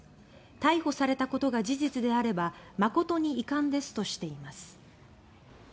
逮捕されたことが事実であれば誠に遺憾です」としています。